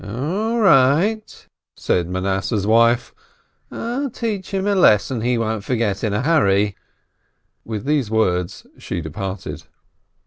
"All right !" said Manasseh's wife. "I'll teach him a lesson he won't forget in a hurry." With these words she departed.